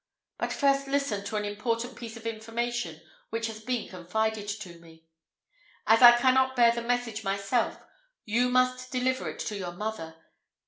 But first listen to an important piece of information which has been confided to me. As I cannot bear the message myself, you must deliver it to your mother.